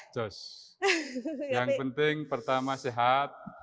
jos yang penting pertama sehat